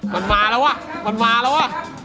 มันมาแล้วว่ะมันมาแล้วอ่ะ